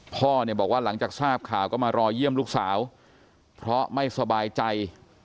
พ่อเนี่ยบอกว่าหลังจากทราบข่าวก็มารอเยี่ยมลูกสาวเพราะไม่สบายใจ